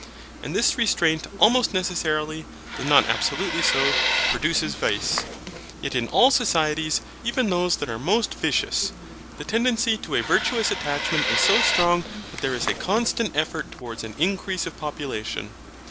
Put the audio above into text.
And this restraint almost necessarily, though not absolutely so, produces vice. Yet in all societies, even those that are most vicious, the tendency to a virtuous attachment is so strong that there is a constant effort towards an increase of population.